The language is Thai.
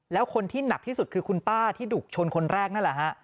แล้วคนที่หนักที่สุดคือคุณป้าที่ถูกชนคนแรกนั่นแหละฮะ